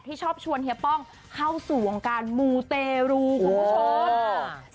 ชอบชวนเฮียป้องเข้าสู่วงการมูเตรูคุณผู้ชม